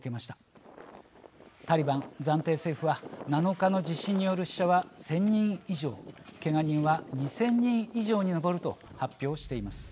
タリバン暫定政府は７日の地震による死者は１，０００人以上けが人は２，０００人以上に上ると発表しています。